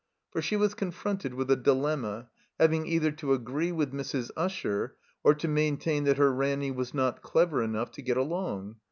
For she was confronted with a dilemma, having either to agree with Mrs. Usher or to maintain that her Ranny was not clever enough to get along.